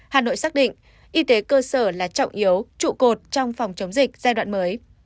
hà nội xác định y tế cơ sở là trọng yếu trụ cột trong phòng chống dịch giai đoạn mới